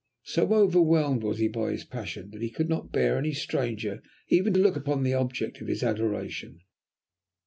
So overwhelmed was he by his passion, that he could not bear any stranger even to look upon the object of his adoration.